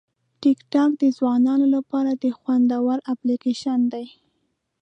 ټیکټاک د ځوانانو لپاره د خوند وړ اپلیکیشن دی.